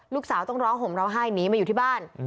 ลูกสาวต้องร้องห่มร้องไห้หนีมาอยู่ที่บ้าน